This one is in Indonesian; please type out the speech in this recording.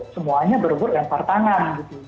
semua nya berhubungan pertanganan